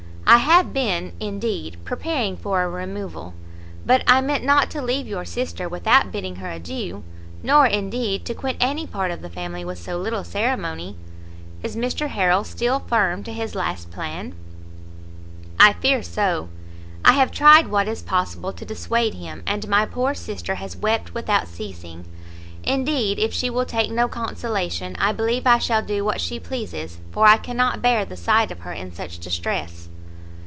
I have been, indeed, preparing for a removal, but I meant not to leave your sister without bidding her adieu, nor, indeed, to quit any part of the family with so little ceremony. Is Mr Harrel still firm to his last plan?" "I fear so! I have tried what is possible to dissuade him, and my poor sister has wept without ceasing. Indeed, if she will take no consolation, I believe I shall do what she pleases, for I cannot bear the sight of her in such distress."